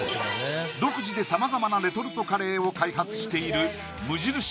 独自でさまざまなレトルトカレーを開発している無印